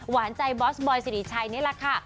หวานใจบอสบอยสิริชัยนี่แหละค่ะ